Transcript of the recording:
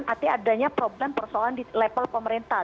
artinya adanya problem persoalan di level pemerintah